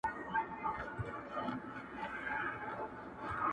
دا خصلت دی د کم ذاتو ناکسانو.